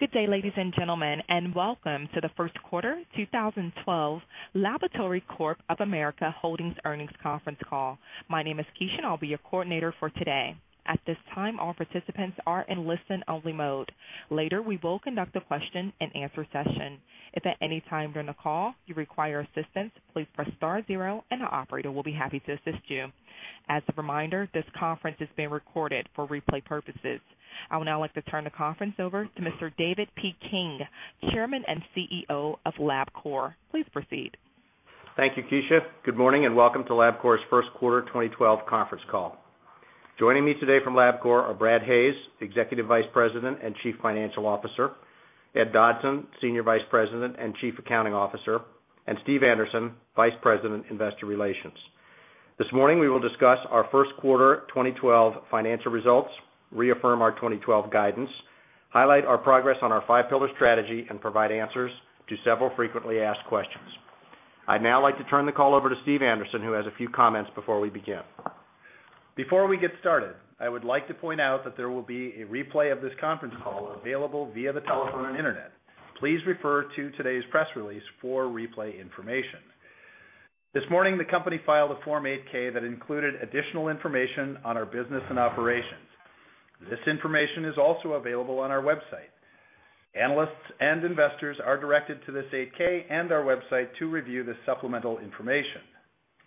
Good day, ladies and gentlemen, and welcome to the first quarter 2012 Labcorp Holdings earnings conference call. My name is Keisha, and I'll be your coordinator for today. At this time, all participants are in listen-only mode. Later, we will conduct a question-and-answer session. If at any time during the call you require assistance, please press star zero, and an operator will be happy to assist you. As a reminder, this conference is being recorded for replay purposes. I would now like to turn the conference over to Mr. David P. King, Chairman and CEO of Labcorp. Please proceed. Thank you, Keisha. Good morning and welcome to Labcorp's first quarter 2012 conference call. Joining me today from Labcorp are Brad Hayes, Executive Vice President and Chief Financial Officer, Ed Dodson, Senior Vice President and Chief Accounting Officer, and Steve Anderson, Vice President, Investor Relations. This morning, we will discuss our first quarter 2012 financial results, reaffirm our 2012 guidance, highlight our progress on our five-pillar strategy, and provide answers to several frequently asked questions. I'd now like to turn the call over to Steve Anderson, who has a few comments before we begin. Before we get started, I would like to point out that there will be a replay of this conference call available via the telephone and internet. Please refer to today's press release for replay information. This morning, the company filed a Form 8K that included additional information on our business and operations. This information is also available on our website. Analysts and investors are directed to this 8K and our website to review the supplemental information.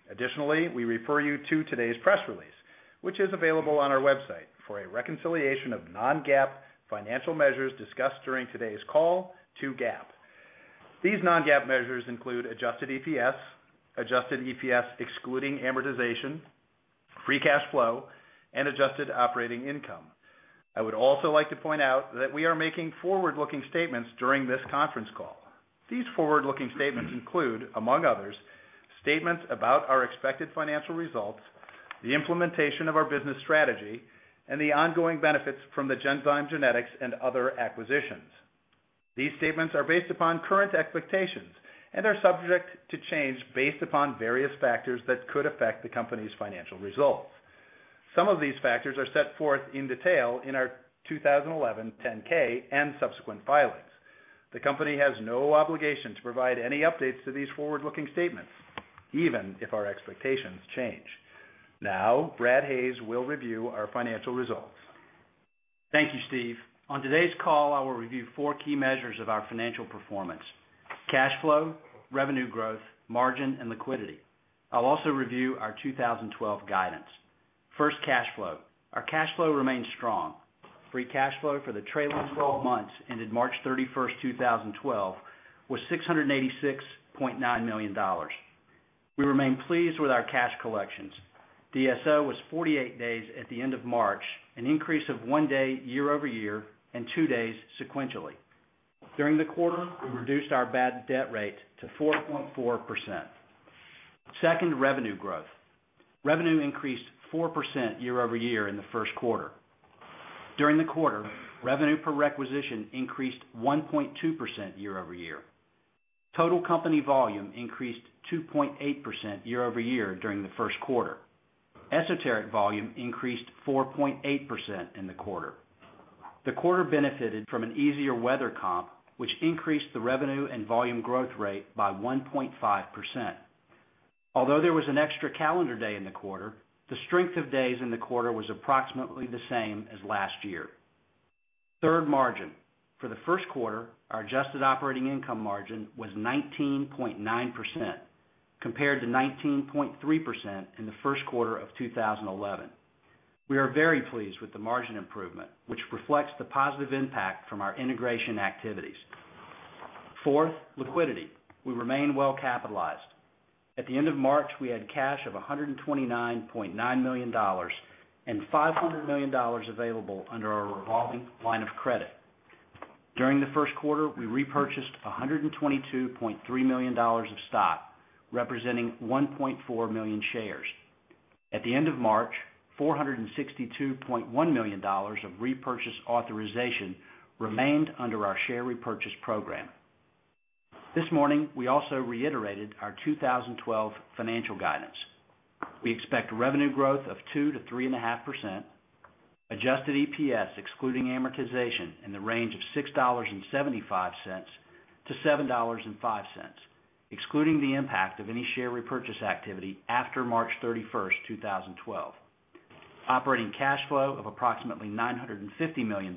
Additionally, we refer you to today's press release, which is available on our website for a reconciliation of non-GAAP financial measures discussed during today's call to GAAP. These non-GAAP measures include adjusted EPS, adjusted EPS excluding amortization, free cash flow, and adjusted operating income. I would also like to point out that we are making forward-looking statements during this conference call. These forward-looking statements include, among others, statements about our expected financial results, the implementation of our business strategy, and the ongoing benefits from the Genzyme Genetics and other acquisitions. These statements are based upon current expectations and are subject to change based upon various factors that could affect the company's financial results. Some of these factors are set forth in detail in our 2011 10K and subsequent filings. The company has no obligation to provide any updates to these forward-looking statements, even if our expectations change. Now, Brad Hayes will review our financial results. Thank you, Steve. On today's call, I will review four key measures of our financial performance: cash flow, revenue growth, margin, and liquidity. I'll also review our 2012 guidance. First, cash flow. Our cash flow remains strong. Free cash flow for the trailing 12 months ended March 31, 2012, was $686.9 million. We remain pleased with our cash collections. DSO was 48 days at the end of March, an increase of one day year over year and two days sequentially. During the quarter, we reduced our bad debt rate to 4.4%. Second, revenue growth. Revenue increased 4% year over year in the first quarter. During the quarter, revenue per requisition increased 1.2% year over year. Total company volume increased 2.8% year over year during the first quarter. Esoteric volume increased 4.8% in the quarter. The quarter benefited from an easier weather comp, which increased the revenue and volume growth rate by 1.5%. Although there was an extra calendar day in the quarter, the strength of days in the quarter was approximately the same as last year. Third, margin. For the first quarter, our adjusted operating income margin was 19.9% compared to 19.3% in the first quarter of 2011. We are very pleased with the margin improvement, which reflects the positive impact from our integration activities. Fourth, liquidity. We remain well capitalized. At the end of March, we had cash of $129.9 million and $500 million available under our revolving line of credit. During the first quarter, we repurchased $122.3 million of stock, representing 1.4 million shares. At the end of March, $462.1 million of repurchase authorization remained under our share repurchase program. This morning, we also reiterated our 2012 financial guidance. We expect revenue growth of 2-3.5%, adjusted EPS excluding amortization in the range of $6.75-$7.05, excluding the impact of any share repurchase activity after March 31, 2012, operating cash flow of approximately $950 million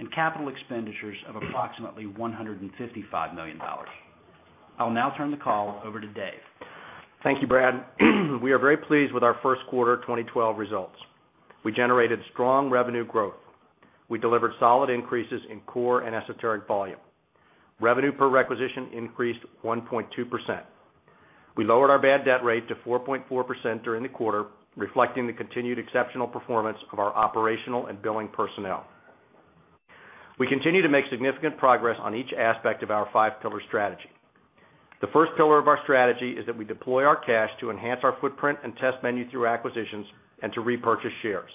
and capital expenditures of approximately $155 million. I will now turn the call over to Dave. Thank you, Brad. We are very pleased with our first quarter 2012 results. We generated strong revenue growth. We delivered solid increases in core and esoteric volume. Revenue per requisition increased 1.2%. We lowered our bad debt rate to 4.4% during the quarter, reflecting the continued exceptional performance of our operational and billing personnel. We continue to make significant progress on each aspect of our five-pillar strategy. The first pillar of our strategy is that we deploy our cash to enhance our footprint and test menu through acquisitions and to repurchase shares.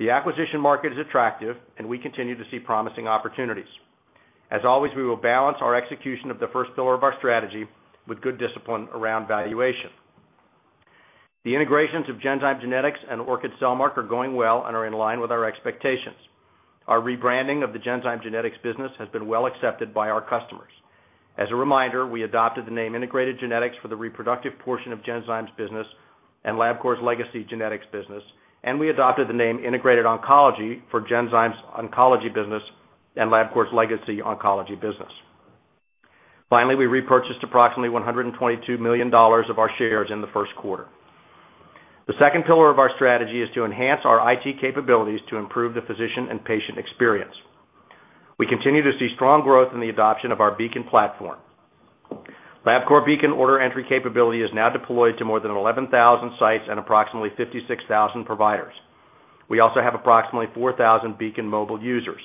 The acquisition market is attractive, and we continue to see promising opportunities. As always, we will balance our execution of the first pillar of our strategy with good discipline around valuation. The integrations of Genzyme Genetics and Orchid Cellmark are going well and are in line with our expectations. Our rebranding of the Genzyme Genetics business has been well accepted by our customers. As a reminder, we adopted the name Integrated Genetics for the reproductive portion of Genzyme's business and Labcorp's legacy genetics business, and we adopted the name Integrated Oncology for Genzyme's oncology business and Labcorp's legacy oncology business. Finally, we repurchased approximately $122 million of our shares in the first quarter. The second pillar of our strategy is to enhance our IT capabilities to improve the physician and patient experience. We continue to see strong growth in the adoption of our Beacon platform. Labcorp Beacon order entry capability is now deployed to more than 11,000 sites and approximately 56,000 providers. We also have approximately 4,000 Beacon mobile users.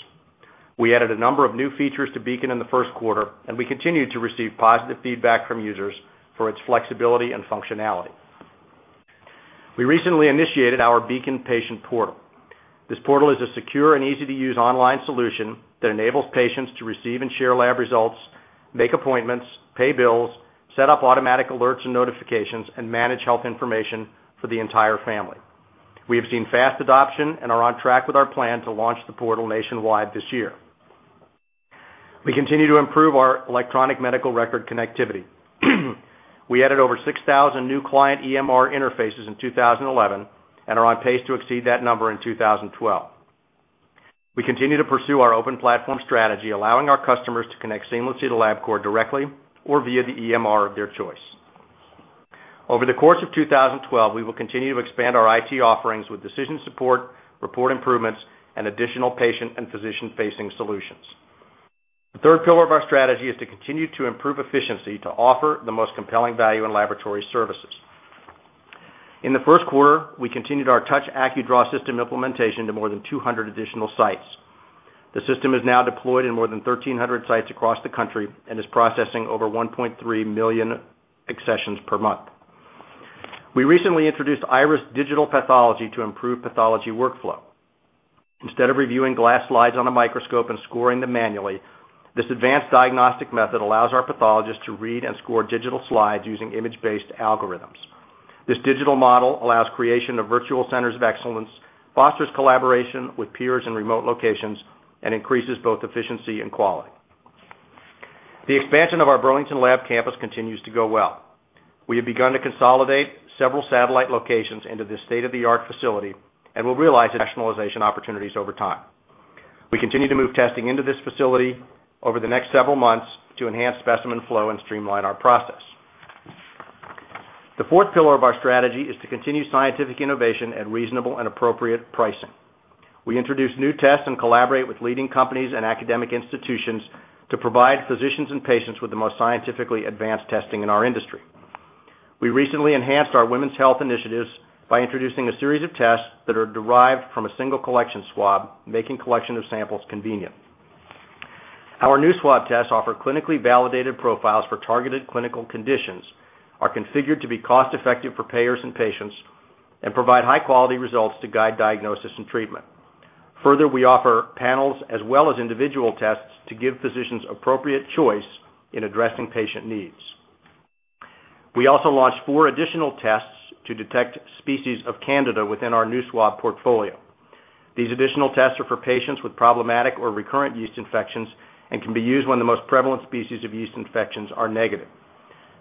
We added a number of new features to Beacon in the first quarter, and we continue to receive positive feedback from users for its flexibility and functionality. We recently initiated our Beacon Patient Portal. This portal is a secure and easy-to-use online solution that enables patients to receive and share lab results, make appointments, pay bills, set up automatic alerts and notifications, and manage health information for the entire family. We have seen fast adoption and are on track with our plan to launch the portal nationwide this year. We continue to improve our electronic medical record connectivity. We added over 6,000 new client EMR interfaces in 2011 and are on pace to exceed that number in 2012. We continue to pursue our open platform strategy, allowing our customers to connect seamlessly to Labcorp directly or via the EMR of their choice. Over the course of 2012, we will continue to expand our IT offerings with decision support, report improvements, and additional patient and physician-facing solutions. The third pillar of our strategy is to continue to improve efficiency to offer the most compelling value in laboratory services. In the first quarter, we continued our Touch AccuDraw system implementation to more than 200 additional sites. The system is now deployed in more than 1,300 sites across the country and is processing over 1.3 million accessions per month. We recently introduced Iris Digital Pathology to improve pathology workflow. Instead of reviewing glass slides on a microscope and scoring them manually, this advanced diagnostic method allows our pathologists to read and score digital slides using image-based algorithms. This digital model allows creation of virtual centers of excellence, fosters collaboration with peers in remote locations, and increases both efficiency and quality. The expansion of our Burlington Lab campus continues to go well. We have begun to consolidate several satellite locations into this state-of-the-art facility and will realize internationalization opportunities over time. We continue to move testing into this facility over the next several months to enhance specimen flow and streamline our process. The fourth pillar of our strategy is to continue scientific innovation at reasonable and appropriate pricing. We introduce new tests and collaborate with leading companies and academic institutions to provide physicians and patients with the most scientifically advanced testing in our industry. We recently enhanced our women's health initiatives by introducing a series of tests that are derived from a single collection swab, making collection of samples convenient. Our new swab tests offer clinically validated profiles for targeted clinical conditions, are configured to be cost-effective for payers and patients, and provide high-quality results to guide diagnosis and treatment. Further, we offer panels as well as individual tests to give physicians appropriate choice in addressing patient needs. We also launched four additional tests to detect species of Candida within our new swab portfolio. These additional tests are for patients with problematic or recurrent yeast infections and can be used when the most prevalent species of yeast infections are negative.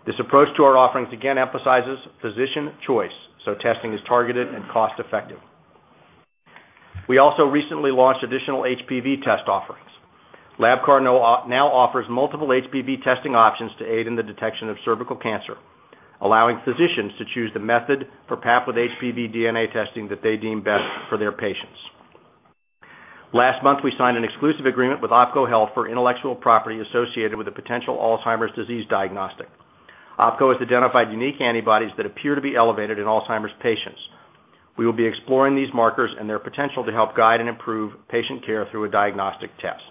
This approach to our offerings again emphasizes physician choice, so testing is targeted and cost-effective. We also recently launched additional HPV test offerings. Labcorp now offers multiple HPV testing options to aid in the detection of cervical cancer, allowing physicians to choose the method for path with HPV DNA testing that they deem best for their patients. Last month, we signed an exclusive agreement with Opko Health for intellectual property associated with a potential Alzheimer's disease diagnostic. Opko has identified unique antibodies that appear to be elevated in Alzheimer's patients. We will be exploring these markers and their potential to help guide and improve patient care through a diagnostic test.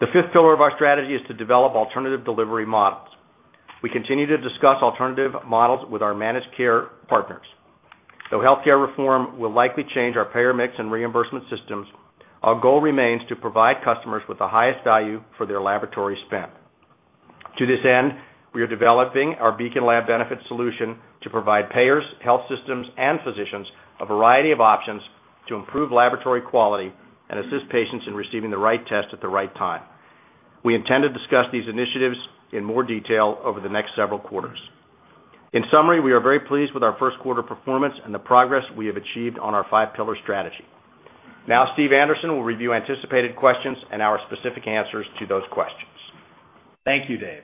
The fifth pillar of our strategy is to develop alternative delivery models. We continue to discuss alternative models with our managed care partners. Though healthcare reform will likely change our payer mix and reimbursement systems, our goal remains to provide customers with the highest value for their laboratory spend. To this end, we are developing our Beacon Lab Benefit Solution to provide payers, health systems, and physicians a variety of options to improve laboratory quality and assist patients in receiving the right test at the right time. We intend to discuss these initiatives in more detail over the next several quarters. In summary, we are very pleased with our first quarter performance and the progress we have achieved on our five-pillar strategy. Now, Steve Anderson will review anticipated questions and our specific answers to those questions. Thank you, Dave.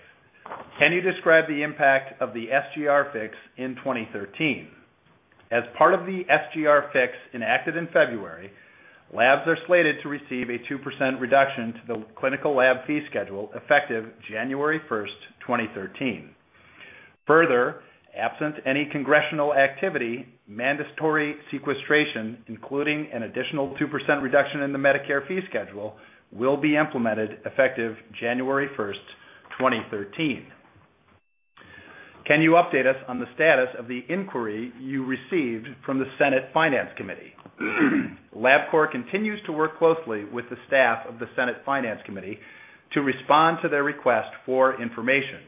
Can you describe the impact of the SGR fix in 2013? As part of the SGR fix enacted in February, labs are slated to receive a 2% reduction to the clinical lab fee schedule effective January 1, 2013. Further, absent any congressional activity, mandatory sequestration including an additional 2% reduction in the Medicare fee schedule will be implemented effective January 1, 2013. Can you update us on the status of the inquiry you received from the Senate Finance Committee? Labcorp continues to work closely with the staff of the Senate Finance Committee to respond to their request for information.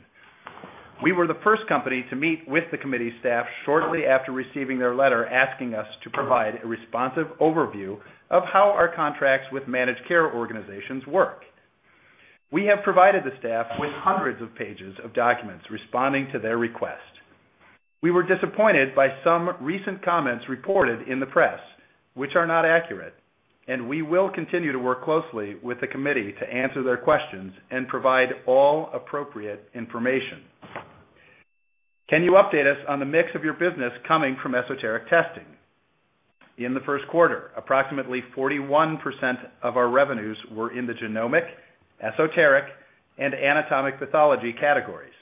We were the first company to meet with the committee staff shortly after receiving their letter asking us to provide a responsive overview of how our contracts with managed care organizations work. We have provided the staff with hundreds of pages of documents responding to their request. We were disappointed by some recent comments reported in the press, which are not accurate, and we will continue to work closely with the committee to answer their questions and provide all appropriate information. Can you update us on the mix of your business coming from esoteric testing? In the first quarter, approximately 41% of our revenues were in the genomic, esoteric, and anatomic pathology categories.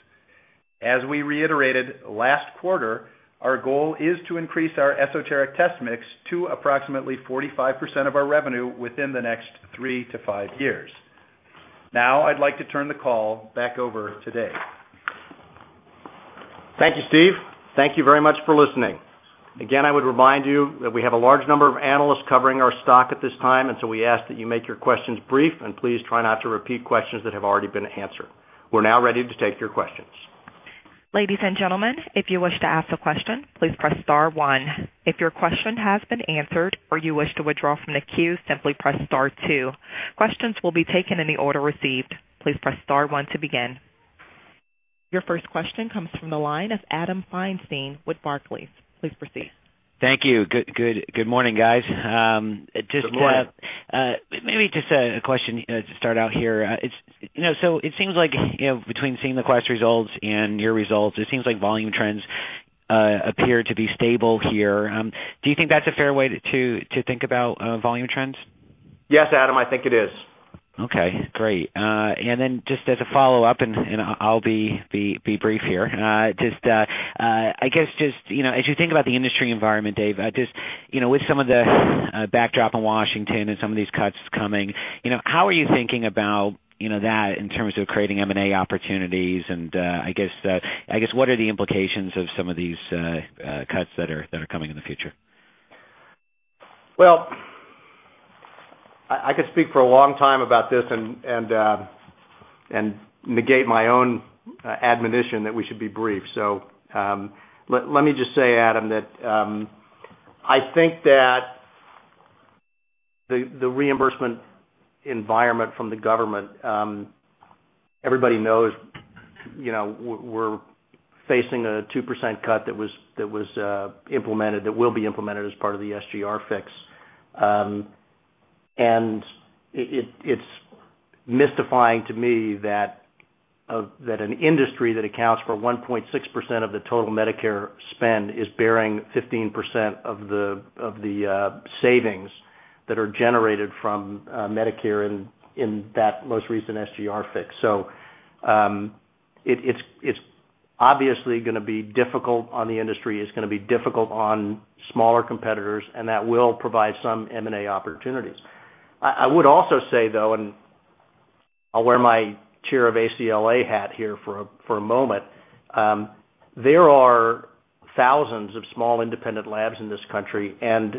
As we reiterated last quarter, our goal is to increase our esoteric test mix to approximately 45% of our revenue within the next three to five years. Now, I'd like to turn the call back over to Dave. Thank you, Steve. Thank you very much for listening. Again, I would remind you that we have a large number of analysts covering our stock at this time, and so we ask that you make your questions brief and please try not to repeat questions that have already been answered. We are now ready to take your questions. Ladies and gentlemen, if you wish to ask a question, please press star one. If your question has been answered or you wish to withdraw from the queue, simply press star two. Questions will be taken in the order received. Please press star one to begin. Your first question comes from the line of Adam Feinstein with Barclays. Please proceed. Thank you. Good morning, guys. Just. Good morning. Maybe just a question to start out here. It seems like between seeing the class results and your results, it seems like volume trends appear to be stable here. Do you think that's a fair way to think about volume trends? Yes, Adam, I think it is. Okay. Great. Just as a follow-up, and I'll be brief here, I guess just as you think about the industry environment, Dave, just with some of the backdrop in Washington and some of these cuts coming, how are you thinking about that in terms of creating M&A opportunities? I guess what are the implications of some of these cuts that are coming in the future? I could speak for a long time about this and negate my own admonition that we should be brief. Let me just say, Adam, that I think that the reimbursement environment from the government, everybody knows we're facing a 2% cut that was implemented, that will be implemented as part of the SGR fix. It's mystifying to me that an industry that accounts for 1.6% of the total Medicare spend is bearing 15% of the savings that are generated from Medicare in that most recent SGR fix. It's obviously going to be difficult on the industry. It's going to be difficult on smaller competitors, and that will provide some M&A opportunities. I would also say, though, and I'll wear my chair of ACLA hat here for a moment, there are thousands of small independent labs in this country, and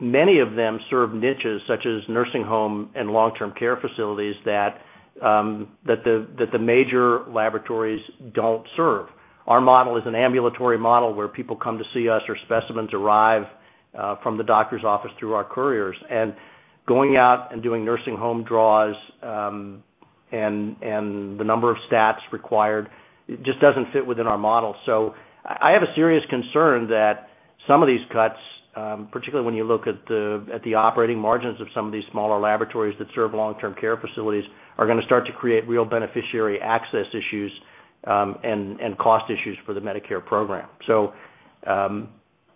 many of them serve niches such as nursing home and long-term care facilities that the major laboratories don't serve. Our model is an ambulatory model where people come to see us or specimens arrive from the doctor's office through our couriers. Going out and doing nursing home draws and the number of stats required just doesn't fit within our model. I have a serious concern that some of these cuts, particularly when you look at the operating margins of some of these smaller laboratories that serve long-term care facilities, are going to start to create real beneficiary access issues and cost issues for the Medicare program.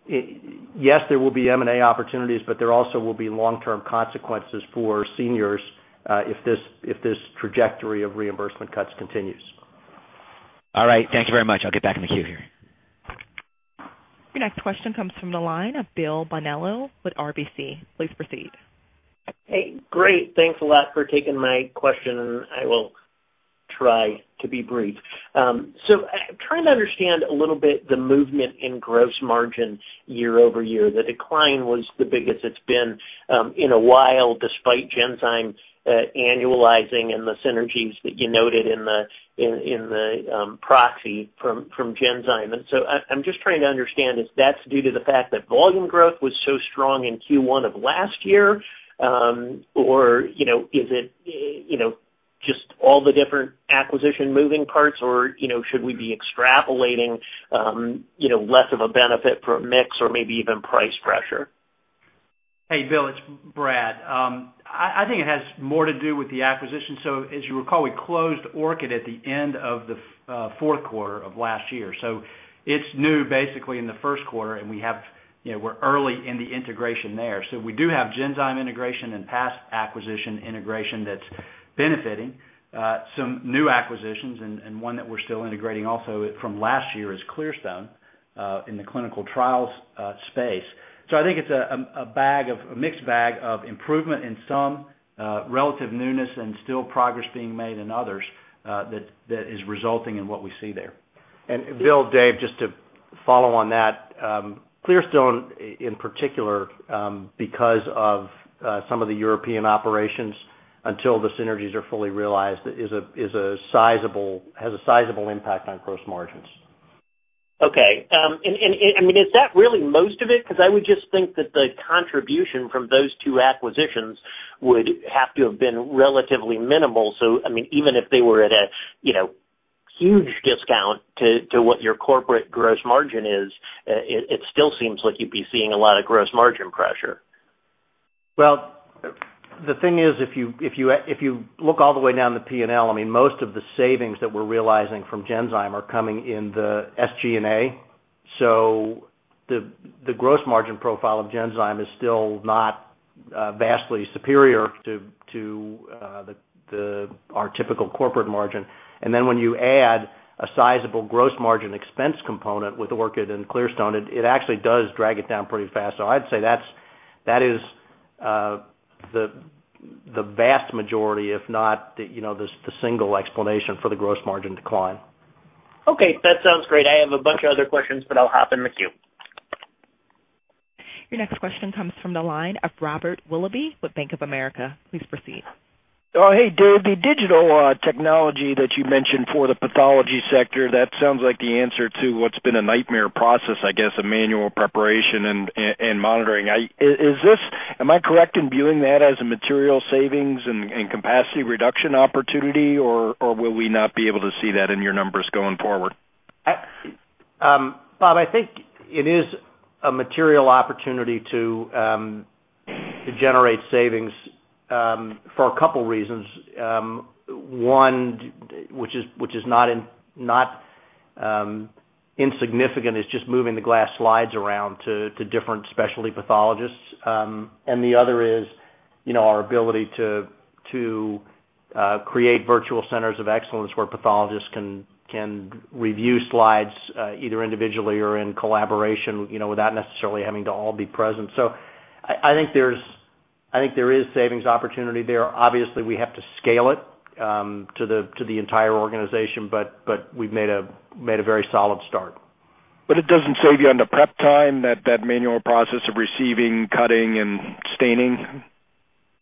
Yes, there will be M&A opportunities, but there also will be long-term consequences for seniors if this trajectory of reimbursement cuts continues. All right. Thank you very much. I'll get back in the queue here. Your next question comes from the line of William Bonello with RBC. Please proceed. Hey, great. Thanks a lot for taking my question, and I will try to be brief. I'm trying to understand a little bit the movement in gross margin year over year. The decline was the biggest it's been in a while despite Genzyme annualizing and the synergies that you noted in the proxy from Genzyme. I'm just trying to understand if that's due to the fact that volume growth was so strong in Q1 of last year, or is it just all the different acquisition moving parts, or should we be extrapolating less of a benefit for a mix or maybe even price pressure? Hey, Bill, it's Brad. I think it has more to do with the acquisition. As you recall, we closed Orchid Cellmark at the end of the fourth quarter of last year. It is new basically in the first quarter, and we're early in the integration there. We do have Genzyme integration and past acquisition integration that is benefiting some new acquisitions, and one that we're still integrating also from last year is Clearstone in the clinical trials space. I think it's a mixed bag of improvement in some relative newness and still progress being made in others that is resulting in what we see there. William, Dave, just to follow on that, Clearstone in particular, because of some of the European operations until the synergies are fully realized, has a sizable impact on gross margins. Okay. And I mean, is that really most of it? Because I would just think that the contribution from those two acquisitions would have to have been relatively minimal. I mean, even if they were at a huge discount to what your corporate gross margin is, it still seems like you'd be seeing a lot of gross margin pressure. If you look all the way down the P&L, I mean, most of the savings that we're realizing from Genzyme are coming in the SG&A. The gross margin profile of Genzyme is still not vastly superior to our typical corporate margin. And then when you add a sizable gross margin expense component with Orchid and Clearstone, it actually does drag it down pretty fast. I'd say that is the vast majority, if not the single explanation for the gross margin decline. Okay. That sounds great. I have a bunch of other questions, but I'll hop in the queue. Your next question comes from the line of Robert Willoughby with Bank of America. Please proceed. Oh, hey, Dave, the digital technology that you mentioned for the pathology sector, that sounds like the answer to what's been a nightmare process, I guess, of manual preparation and monitoring. Am I correct in viewing that as a material savings and capacity reduction opportunity, or will we not be able to see that in your numbers going forward? Bob, I think it is a material opportunity to generate savings for a couple of reasons. One, which is not insignificant, is just moving the glass slides around to different specialty pathologists. The other is our ability to create virtual centers of excellence where pathologists can review slides either individually or in collaboration without necessarily having to all be present. I think there is savings opportunity there. Obviously, we have to scale it to the entire organization, but we've made a very solid start. It does not save you on the prep time, that manual process of receiving, cutting, and staining?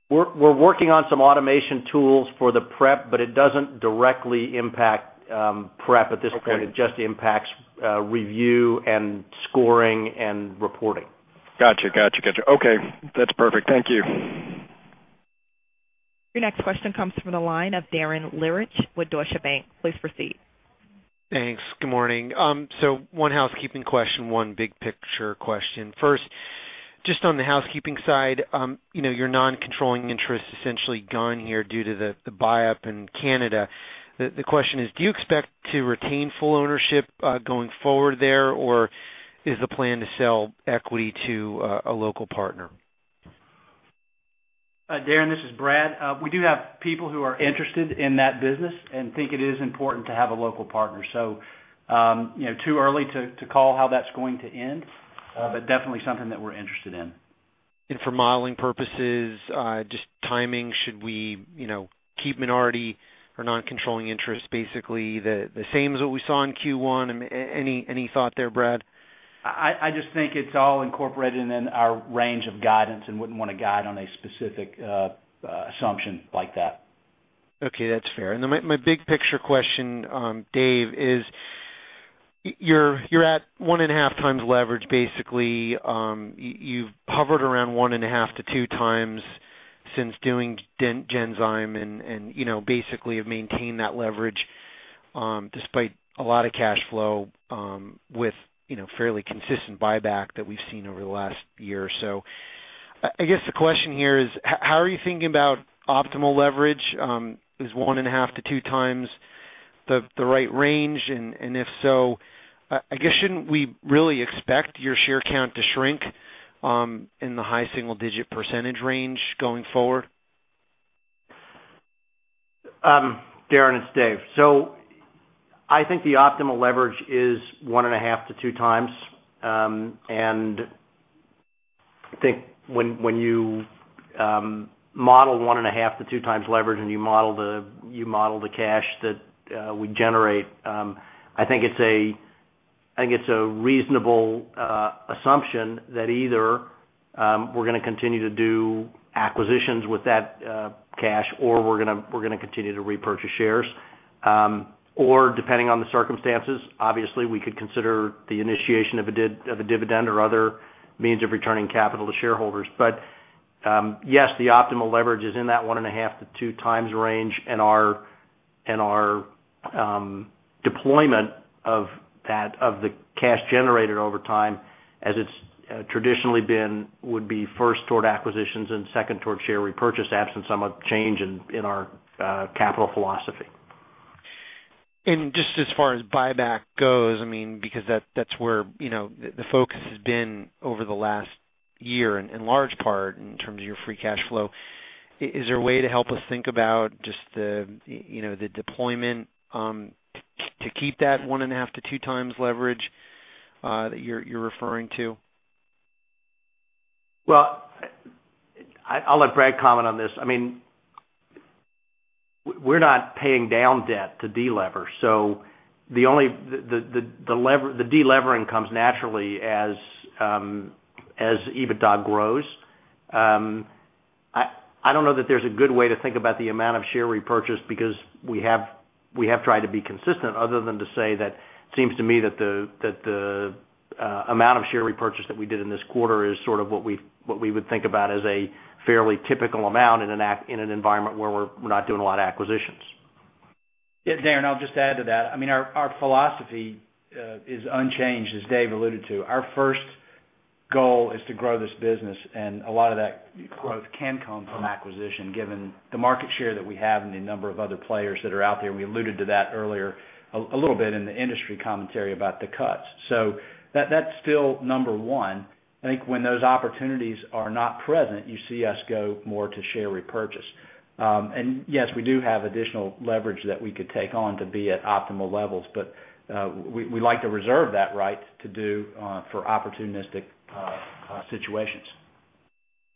We're working on some automation tools for the prep, but it doesn't directly impact prep at this point. It just impacts review and scoring and reporting. Gotcha. Okay. That's perfect. Thank you. Your next question comes from the line of Darren Lehrich with Deutsche Bank. Please proceed. Thanks. Good morning. One housekeeping question, one big picture question. First, just on the housekeeping side, your non-controlling interest is essentially gone here due to the buy-up in Canada. The question is, do you expect to retain full ownership going forward there, or is the plan to sell equity to a local partner? Darren, this is Brad. We do have people who are interested in that business and think it is important to have a local partner. Too early to call how that's going to end, but definitely something that we're interested in. For modeling purposes, just timing, should we keep minority or non-controlling interest basically the same as what we saw in Q1? Any thought there, Brad? I just think it's all incorporated in our range of guidance and wouldn't want to guide on a specific assumption like that. Okay. That's fair. Then my big picture question, Dave, is you're at one and a half times leverage, basically. You've hovered around one and a half to two times since doing Genzyme and basically have maintained that leverage despite a lot of cash flow with fairly consistent buyback that we've seen over the last year or so. I guess the question here is, how are you thinking about optimal leverage? Is one and a half to two times the right range? If so, I guess shouldn't we really expect your share count to shrink in the high single-digit percentage range going forward? Darin, it's Dave. I think the optimal leverage is one and a half to two times. I think when you model one and a half to two times leverage and you model the cash that we generate, I think it's a reasonable assumption that either we're going to continue to do acquisitions with that cash, or we're going to continue to repurchase shares. Depending on the circumstances, obviously, we could consider the initiation of a dividend or other means of returning capital to shareholders. Yes, the optimal leverage is in that one and a half to two times range, and our deployment of the cash generated over time, as it's traditionally been, would be first toward acquisitions and second toward share repurchase absent some change in our capital philosophy. Just as far as buyback goes, I mean, because that's where the focus has been over the last year in large part in terms of your free cash flow, is there a way to help us think about just the deployment to keep that one and a half to two times leverage that you're referring to? I'll let Brad comment on this. I mean, we're not paying down debt to delever. The delevering comes naturally as EBITDA grows. I don't know that there's a good way to think about the amount of share repurchase because we have tried to be consistent, other than to say that it seems to me that the amount of share repurchase that we did in this quarter is sort of what we would think about as a fairly typical amount in an environment where we're not doing a lot of acquisitions. Yeah. Darren, I'll just add to that. I mean, our philosophy is unchanged, as Dave alluded to. Our first goal is to grow this business, and a lot of that growth can come from acquisition given the market share that we have and the number of other players that are out there. We alluded to that earlier a little bit in the industry commentary about the cuts. That's still number one. I think when those opportunities are not present, you see us go more to share repurchase. Yes, we do have additional leverage that we could take on to be at optimal levels, but we like to reserve that right to do for opportunistic situations.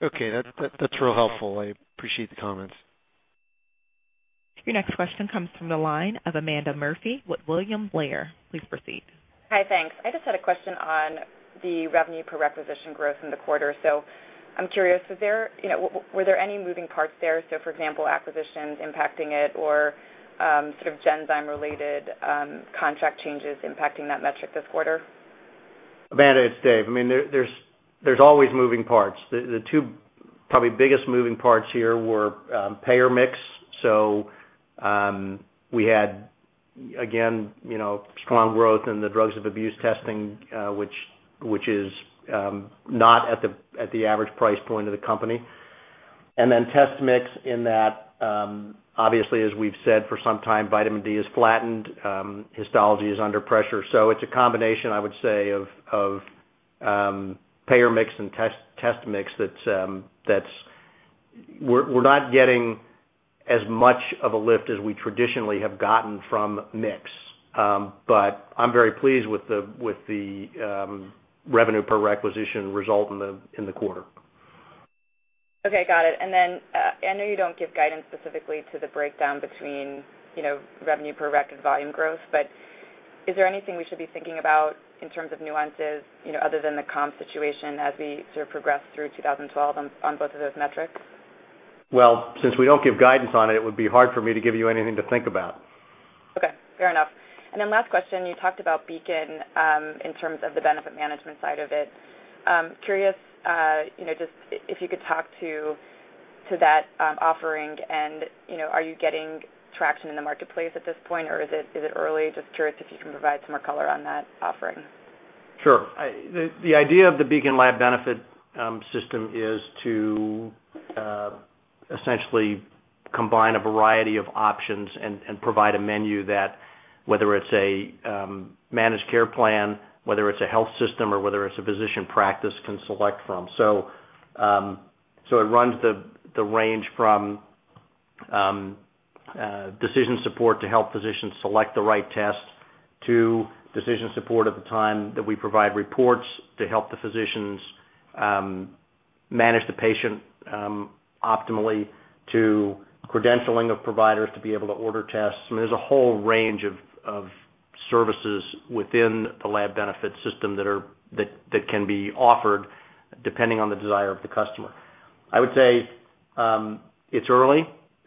Okay. That's real helpful. I appreciate the comments. Your next question comes from the line of Amanda Murphy with William Blair. Please proceed. Hi, thanks. I just had a question on the revenue per requisition growth in the quarter. I'm curious, were there any moving parts there? For example, acquisitions impacting it or sort of Genzyme Genetics-related contract changes impacting that metric this quarter? Amanda, it's Dave. I mean, there's always moving parts. The two probably biggest moving parts here were payer mix. We had, again, strong growth in the drugs of abuse testing, which is not at the average price point of the company. Then test mix in that, obviously, as we've said for some time, vitamin D is flattened. Histology is under pressure. It is a combination, I would say, of payer mix and test mix that we're not getting as much of a lift as we traditionally have gotten from mix. I'm very pleased with the revenue per requisition result in the quarter. Okay. Got it. I know you don't give guidance specifically to the breakdown between revenue per record volume growth, but is there anything we should be thinking about in terms of nuances other than the comp situation as we sort of progress through 2012 on both of those metrics? Since we don't give guidance on it, it would be hard for me to give you anything to think about. Okay. Fair enough. Then last question, you talked about Beacon in terms of the benefit management side of it. Curious just if you could talk to that offering and are you getting traction in the marketplace at this point, or is it early? Just curious if you can provide some more color on that offering. Sure. The idea of the Beacon Lab Benefit Solution is to essentially combine a variety of options and provide a menu that, whether it's a managed care plan, whether it's a health system, or whether it's a physician practice, can select from. It runs the range from decision support to help physicians select the right test to decision support at the time that we provide reports to help the physicians manage the patient optimally to credentialing of providers to be able to order tests. I mean, there's a whole range of services within the lab benefit system that can be offered depending on the desire of the customer. I would say it's early.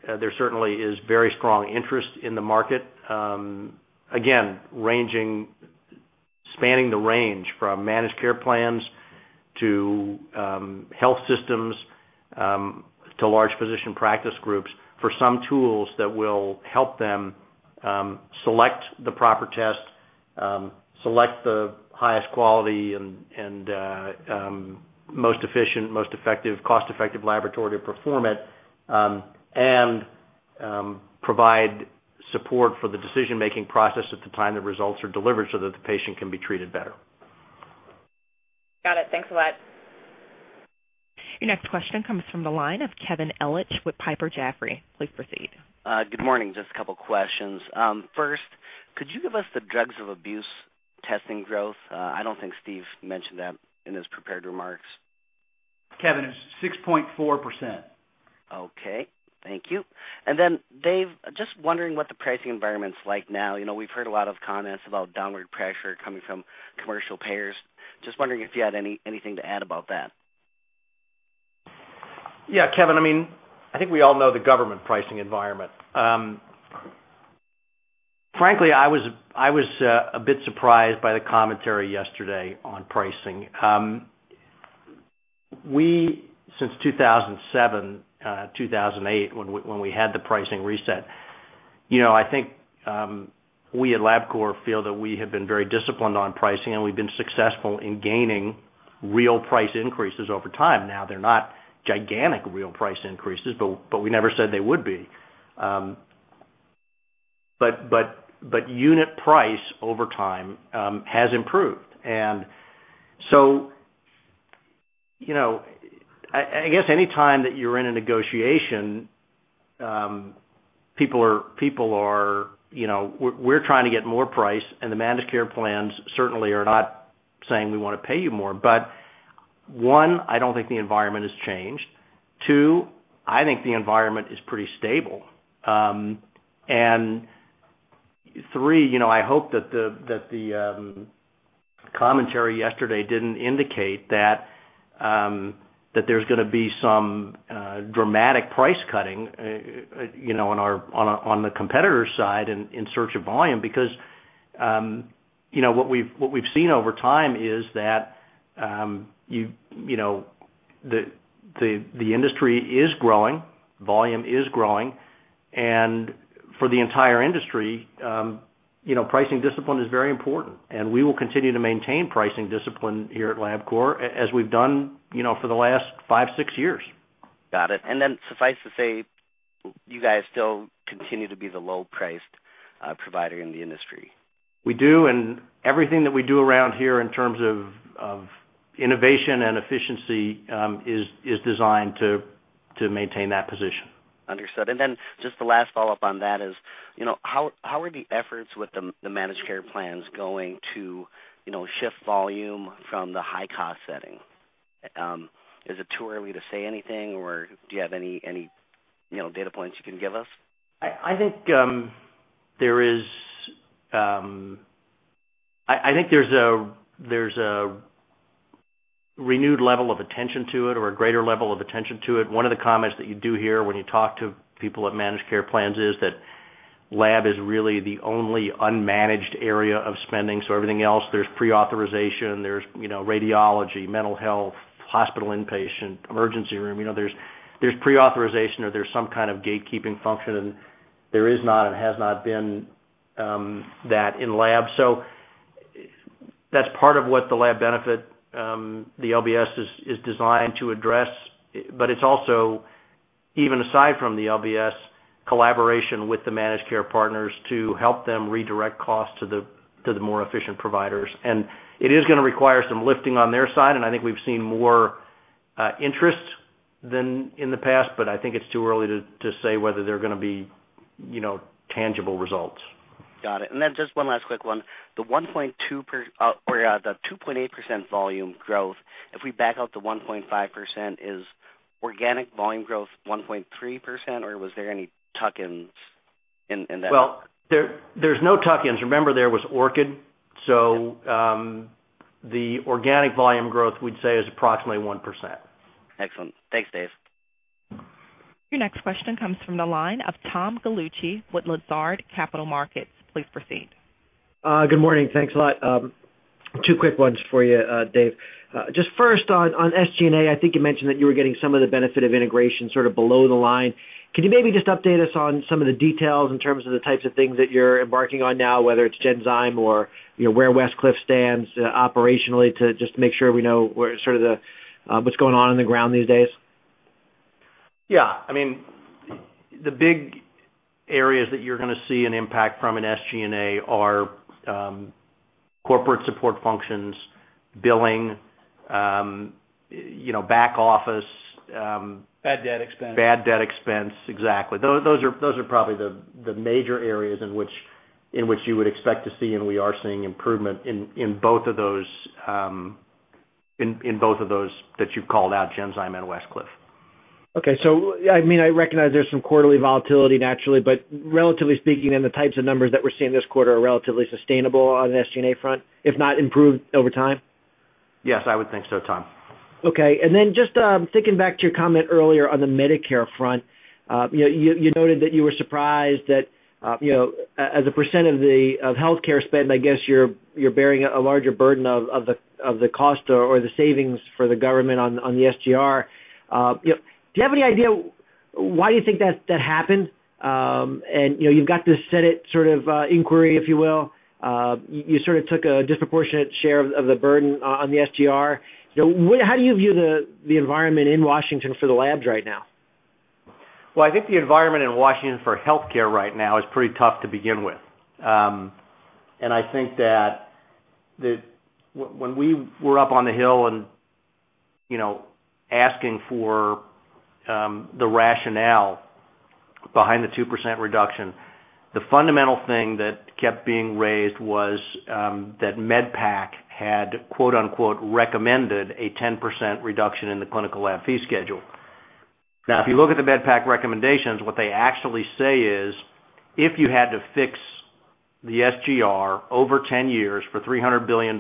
There certainly is very strong interest in the market. Again, spanning the range from managed care plans to health systems to large physician practice groups for some tools that will help them select the proper test, select the highest quality and most efficient, most effective, cost-effective laboratory to perform it, and provide support for the decision-making process at the time the results are delivered so that the patient can be treated better. Got it. Thanks a lot. Your next question comes from the line of Kevin Ellich with Piper Jaffray. Please proceed. Good morning. Just a couple of questions. First, could you give us the drugs of abuse testing growth? I do not think Steve mentioned that in his prepared remarks. Kevin, it's 6.4%. Okay. Thank you. Dave, just wondering what the pricing environment's like now. We've heard a lot of comments about downward pressure coming from commercial payers. Just wondering if you had anything to add about that. Yeah. Kevin, I mean, I think we all know the government pricing environment. Frankly, I was a bit surprised by the commentary yesterday on pricing. Since 2007, 2008, when we had the pricing reset, I think we at Labcorp feel that we have been very disciplined on pricing, and we've been successful in gaining real price increases over time. Now, they're not gigantic real price increases, but we never said they would be. But unit price over time has improved. And so I guess anytime that you're in a negotiation, people are trying to get more price, and the managed care plans certainly are not saying, "We want to pay you more." One, I don't think the environment has changed. Two, I think the environment is pretty stable. I hope that the commentary yesterday did not indicate that there is going to be some dramatic price cutting on the competitor's side in search of volume because what we have seen over time is that the industry is growing, volume is growing, and for the entire industry, pricing discipline is very important. We will continue to maintain pricing discipline here at Labcorp as we have done for the last five or six years. Got it. Suffice to say, you guys still continue to be the low-priced provider in the industry. We do. Everything that we do around here in terms of innovation and efficiency is designed to maintain that position. Understood. And then just the last follow-up on that is, how are the efforts with the managed care plans going to shift volume from the high-cost setting? Is it too early to say anything, or do you have any data points you can give us? I think there is, I think there's a renewed level of attention to it or a greater level of attention to it. One of the comments that you do hear when you talk to people at managed care plans is that lab is really the only unmanaged area of spending. Everything else, there's pre-authorization, there's radiology, mental health, hospital inpatient, emergency room. There's pre-authorization or there's some kind of gatekeeping function, and there is not and has not been that in lab. That's part of what the lab benefit, the LBS, is designed to address. It's also, even aside from the LBS, collaboration with the managed care partners to help them redirect costs to the more efficient providers. It is going to require some lifting on their side, and I think we've seen more interest than in the past, but I think it's too early to say whether there are going to be tangible results. Got it. And then just one last quick one. The 1.2% or the 2.8% volume growth, if we back up the 1.5%, is organic volume growth 1.3%, or was there any tuck-ins in that? There is no tuck-ins. Remember, there was Orchid. So the organic volume growth, we'd say, is approximately 1%. Excellent. Thanks, Dave. Your next question comes from the line of Tom Gallucci with Lazard Capital Markets. Please proceed. Good morning. Thanks a lot. Two quick ones for you, Dave. Just first, on SG&A, I think you mentioned that you were getting some of the benefit of integration sort of below the line. Could you maybe just update us on some of the details in terms of the types of things that you're embarking on now, whether it's Genzyme or where Westcliff stands operationally, to just make sure we know sort of what's going on on the ground these days? Yeah. I mean, the big areas that you're going to see an impact from an SG&A are corporate support functions, billing, back office. Bad debt expense. Bad debt expense. Exactly. Those are probably the major areas in which you would expect to see, and we are seeing improvement in both of those that you've called out, Genzyme and Westcliff. Okay. So I mean, I recognize there's some quarterly volatility naturally, but relatively speaking, then the types of numbers that we're seeing this quarter are relatively sustainable on the SG&A front, if not improved over time? Yes, I would think so, Tom. Okay. And then just thinking back to your comment earlier on the Medicare front, you noted that you were surprised that as a percent of the healthcare spend, I guess you're bearing a larger burden of the cost or the savings for the government on the SGR. Do you have any idea why you think that happened? And you've got the Senate sort of inquiry, if you will. You sort of took a disproportionate share of the burden on the SGR. How do you view the environment in Washington for the labs right now? I think the environment in Washington for healthcare right now is pretty tough to begin with. I think that when we were up on the Hill and asking for the rationale behind the 2% reduction, the fundamental thing that kept being raised was that MedPAC had "recommended" a 10% reduction in the clinical lab fee schedule. Now, if you look at the MedPAC recommendations, what they actually say is, "If you had to fix the SGR over 10 years for $300 billion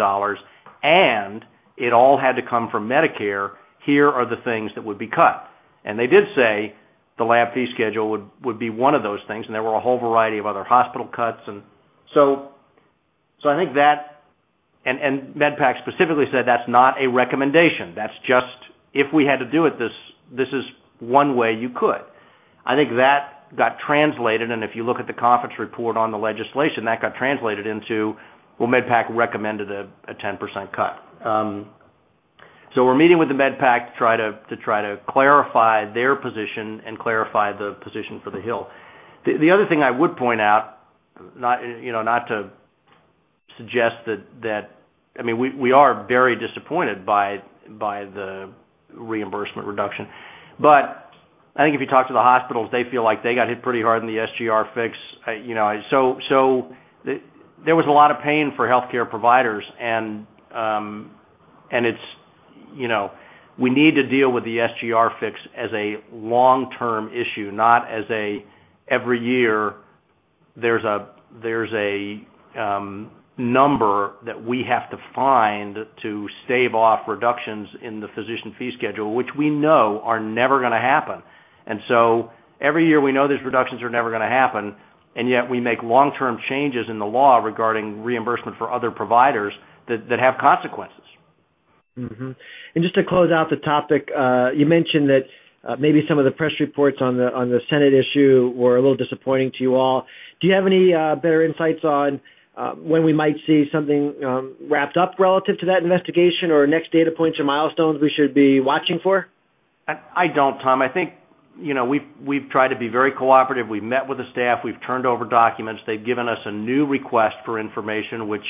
and it all had to come from Medicare, here are the things that would be cut." They did say the lab fee schedule would be one of those things, and there were a whole variety of other hospital cuts. I think that and MedPAC specifically said, "That's not a recommendation. That's just if we had to do it, this is one way you could. I think that got translated, and if you look at the conference report on the legislation, that got translated into, "MedPAC recommended a 10% cut." We are meeting with MedPAC to try to clarify their position and clarify the position for the Hill. The other thing I would point out, not to suggest that, I mean, we are very disappointed by the reimbursement reduction, but I think if you talk to the hospitals, they feel like they got hit pretty hard in the SGR fix. There was a lot of pain for healthcare providers, and we need to deal with the SGR fix as a long-term issue, not as a every year there's a number that we have to find to stave off reductions in the physician fee schedule, which we know are never going to happen. Every year we know these reductions are never going to happen, and yet we make long-term changes in the law regarding reimbursement for other providers that have consequences. Just to close out the topic, you mentioned that maybe some of the press reports on the Senate issue were a little disappointing to you all. Do you have any better insights on when we might see something wrapped up relative to that investigation or next data points or milestones we should be watching for? I don't, Tom. I think we've tried to be very cooperative. We've met with the staff. We've turned over documents. They've given us a new request for information, which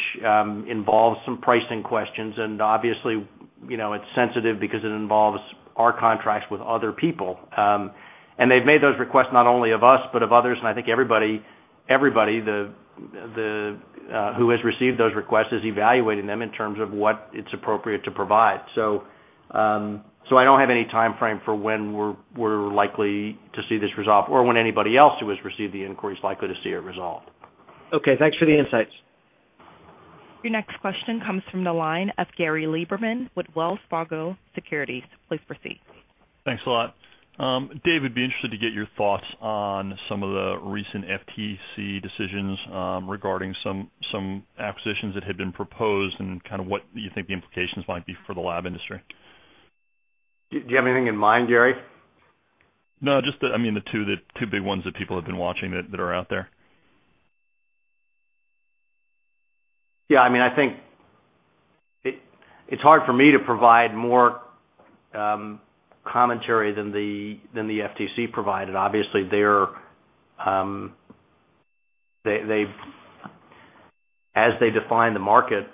involves some pricing questions, and obviously, it's sensitive because it involves our contracts with other people. They've made those requests not only of us but of others, and I think everybody who has received those requests is evaluating them in terms of what it's appropriate to provide. I don't have any timeframe for when we're likely to see this resolved or when anybody else who has received the inquiries is likely to see it resolved. Okay. Thanks for the insights. Your next question comes from the line of Gary Lieberman with Wells Fargo Securities. Please proceed. Thanks a lot. Dave, I'd be interested to get your thoughts on some of the recent FTC decisions regarding some acquisitions that had been proposed and kind of what you think the implications might be for the lab industry. Do you have anything in mind, Gary? No. Just the, I mean, the two big ones that people have been watching that are out there. Yeah. I mean, I think it's hard for me to provide more commentary than the FTC provided. Obviously, as they define the market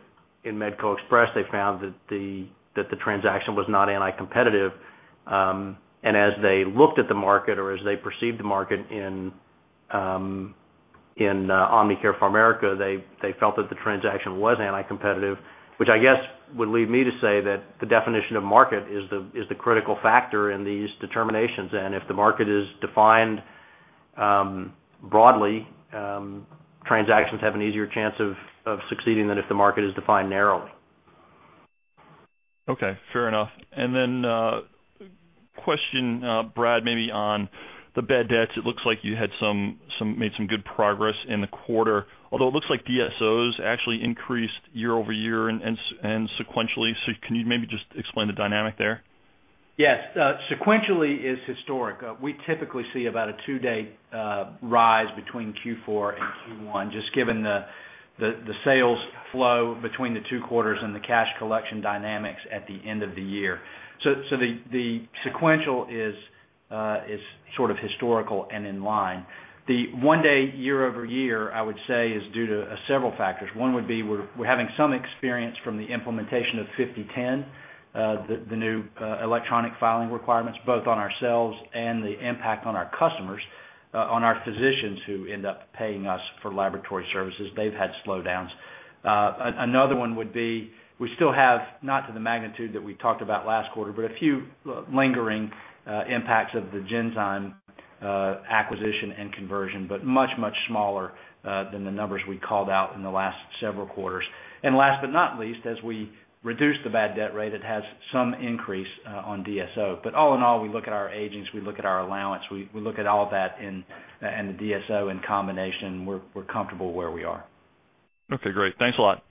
in MedCo Express, they found that the transaction was not anti-competitive. As they looked at the market or as they perceived the market in Omnicare PharMerica, they felt that the transaction was anti-competitive, which I guess would lead me to say that the definition of market is the critical factor in these determinations. If the market is defined broadly, transactions have an easier chance of succeeding than if the market is defined narrowly. Okay. Fair enough. And then question, Brad, maybe on the bad debts. It looks like you had made some good progress in the quarter, although it looks like DSOs actually increased year over year and sequentially. So can you maybe just explain the dynamic there? Yes. Sequentially is historic. We typically see about a two-day rise between Q4 and Q1, just given the sales flow between the two quarters and the cash collection dynamics at the end of the year. The sequential is sort of historical and in line. The one-day year over year, I would say, is due to several factors. One would be we're having some experience from the implementation of 50/10, the new electronic filing requirements, both on ourselves and the impact on our customers, on our physicians who end up paying us for laboratory services. They've had slowdowns. Another one would be we still have, not to the magnitude that we talked about last quarter, but a few lingering impacts of the Genzyme Genetics acquisition and conversion, but much, much smaller than the numbers we called out in the last several quarters. Last but not least, as we reduce the bad debt rate, it has some increase on DSO. All in all, we look at our agings, we look at our allowance, we look at all that, and the DSO in combination, we are comfortable where we are. Okay. Great. Thanks a lot.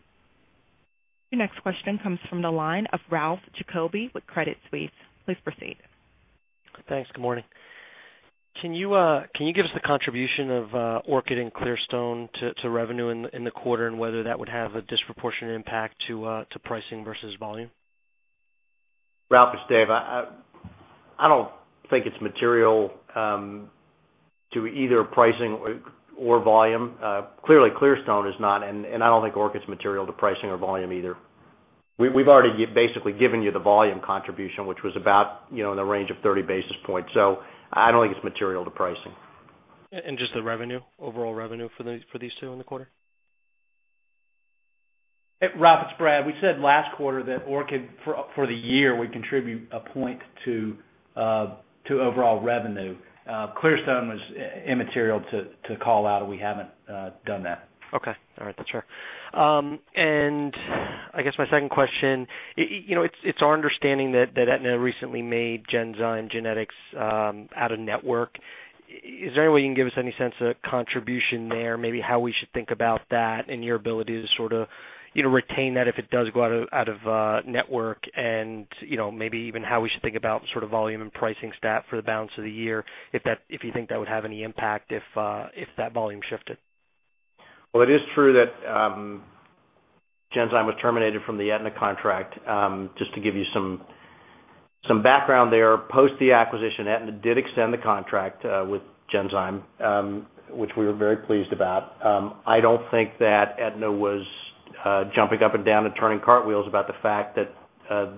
Your next question comes from the line of Ralph Giacobbe with Credit Suisse. Please proceed. Thanks. Good morning. Can you give us the contribution of Orchid and Clearstone to revenue in the quarter and whether that would have a disproportionate impact to pricing versus volume? it is Dave. I do not think it is material to either pricing or volume. Clearly, Clearstone is not, and I do not think Orchid is material to pricing or volume either. We have already basically given you the volume contribution, which was about in the range of 30 basis points. I do not think it is material to pricing. Just the revenue, overall revenue for these two in the quarter? Ralph, it's Brad. We said last quarter that Orchid for the year would contribute a point to overall revenue. Clearstone was immaterial to call out, and we haven't done that. Okay. All right. That's fair. I guess my second question, it's our understanding that Aetna recently made Genzyme Genetics out of network. Is there any way you can give us any sense of contribution there, maybe how we should think about that and your ability to sort of retain that if it does go out of network, and maybe even how we should think about sort of volume and pricing stat for the balance of the year, if you think that would have any impact if that volume shifted? It is true that Genzyme was terminated from the Aetna contract. Just to give you some background there, post the acquisition, Aetna did extend the contract with Genzyme, which we were very pleased about. I do not think that Aetna was jumping up and down and turning cartwheels about the fact that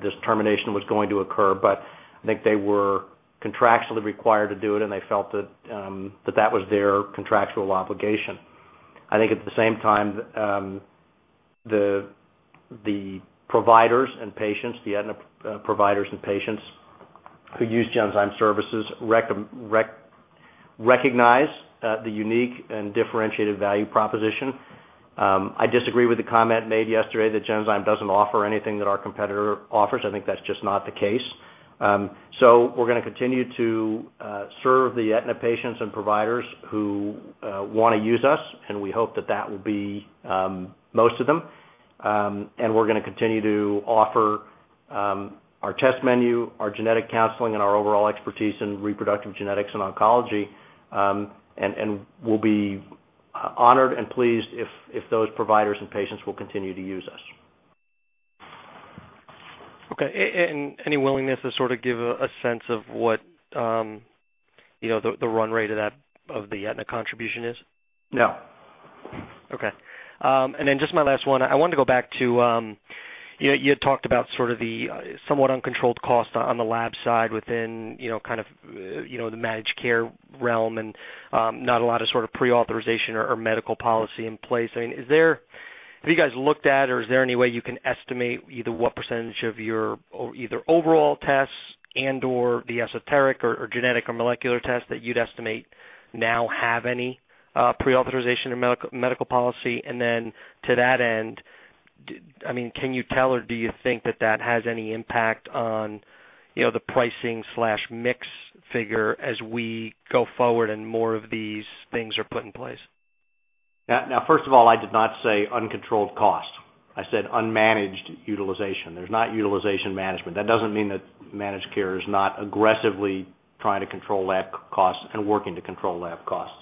this termination was going to occur, but I think they were contractually required to do it, and they felt that that was their contractual obligation. I think at the same time, the providers and patients, the Aetna providers and patients who use Genzyme services recognize the unique and differentiated value proposition. I disagree with the comment made yesterday that Genzyme does not offer anything that our competitor offers. I think that is just not the case. We're going to continue to serve the Aetna patients and providers who want to use us, and we hope that that will be most of them. We're going to continue to offer our test menu, our genetic counseling, and our overall expertise in reproductive genetics and oncology, and we'll be honored and pleased if those providers and patients will continue to use us. Okay. Any willingness to sort of give a sense of what the run rate of the Aetna contribution is? No. Okay. And then just my last one. I wanted to go back to you had talked about sort of the somewhat uncontrolled cost on the lab side within kind of the managed care realm and not a lot of sort of pre-authorization or medical policy in place. I mean, have you guys looked at, or is there any way you can estimate either what percentage of your either overall tests and/or the esoteric or genetic or molecular tests that you'd estimate now have any pre-authorization or medical policy? And then to that end, I mean, can you tell, or do you think that that has any impact on the pricing/mix figure as we go forward and more of these things are put in place? Now, first of all, I did not say uncontrolled cost. I said unmanaged utilization. There's not utilization management. That doesn't mean that managed care is not aggressively trying to control lab costs and working to control lab costs.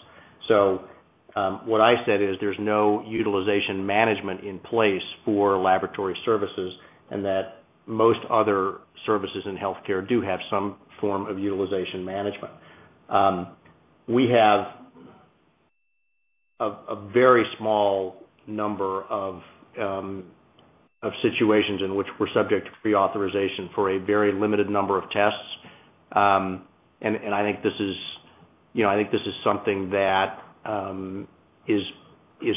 What I said is there's no utilization management in place for laboratory services and that most other services in healthcare do have some form of utilization management. We have a very small number of situations in which we're subject to pre-authorization for a very limited number of tests. I think this is something that is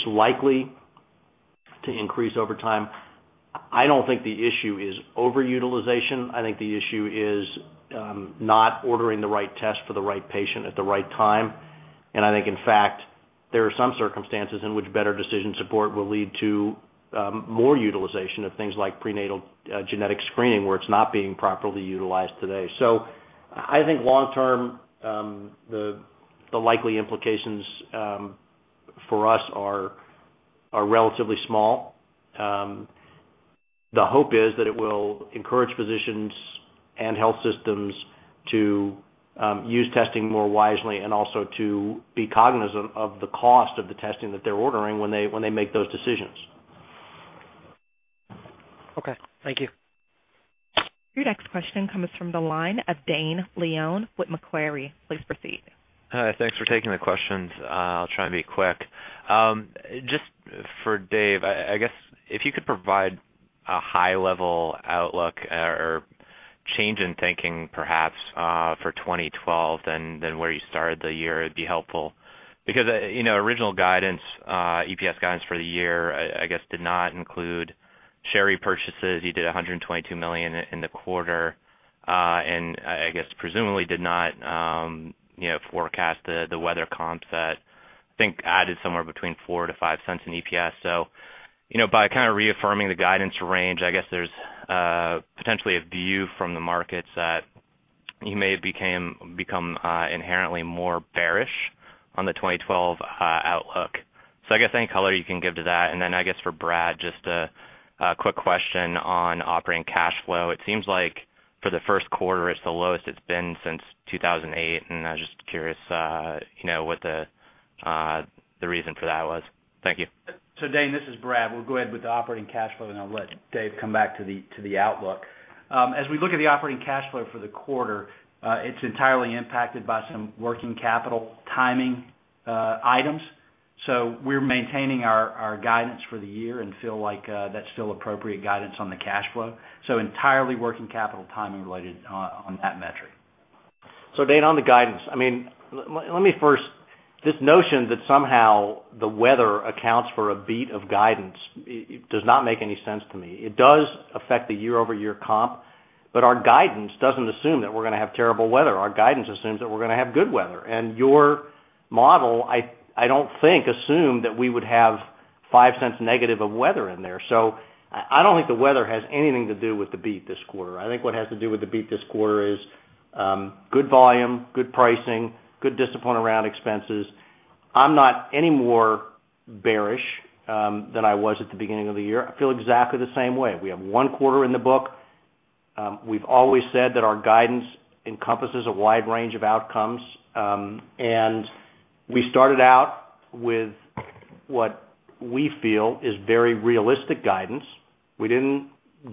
likely to increase over time. I don't think the issue is overutilization. I think the issue is not ordering the right test for the right patient at the right time. I think, in fact, there are some circumstances in which better decision support will lead to more utilization of things like prenatal genetic screening where it's not being properly utilized today. I think long-term, the likely implications for us are relatively small. The hope is that it will encourage physicians and health systems to use testing more wisely and also to be cognizant of the cost of the testing that they're ordering when they make those decisions. Okay. Thank you. Your next question comes from the line of Dane Leone with Macquarie. Please proceed. Hi. Thanks for taking the questions. I'll try and be quick. Just for Dave, I guess if you could provide a high-level outlook or change in thinking, perhaps, for 2012, then where you started the year would be helpful. Because original guidance, EPS guidance for the year, I guess, did not include sherry purchases. You did $122 million in the quarter and, I guess, presumably did not forecast the weather comps that I think added somewhere between $0.04-$0.05 in EPS. By kind of reaffirming the guidance range, I guess there's potentially a view from the markets that you may become inherently more bearish on the 2012 outlook. I guess any color you can give to that. Then, I guess, for Brad, just a quick question on operating cash flow. It seems like for the first quarter, it's the lowest it's been since 2008, and I was just curious what the reason for that was. Thank you. Dane, this is Brad. We'll go ahead with the operating cash flow, and I'll let Dave come back to the outlook. As we look at the operating cash flow for the quarter, it's entirely impacted by some working capital timing items. We're maintaining our guidance for the year and feel like that's still appropriate guidance on the cash flow. It's entirely working capital timing related on that metric. Dane, on the guidance, I mean, let me first say this notion that somehow the weather accounts for a beat of guidance does not make any sense to me. It does affect the year-over-year comp, but our guidance doesn't assume that we're going to have terrible weather. Our guidance assumes that we're going to have good weather. Your model, I don't think, assumed that we would have $0.05 negative of weather in there. I do not think the weather has anything to do with the beat this quarter. I think what has to do with the beat this quarter is good volume, good pricing, good discipline around expenses. I am not any more bearish than I was at the beginning of the year. I feel exactly the same way. We have one quarter in the book. We have always said that our guidance encompasses a wide range of outcomes, and we started out with what we feel is very realistic guidance. We did not